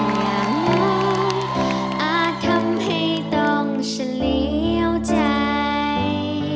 อย่างนี้อาจทำให้ต้องเฉลี่ยวใจ